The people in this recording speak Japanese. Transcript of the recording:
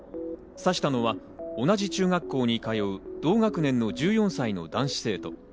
刺したのは同じ中学校に通う同学年の１４歳の男子生徒。